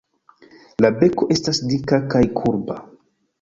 La beko estas dika kaj kurba.